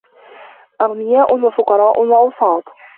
أَغْنِيَاءٌ وَفُقَرَاءُ وَأَوْسَاطُ